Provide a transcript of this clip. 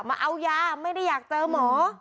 มาเอายาไม่ได้อยากเจอหมอ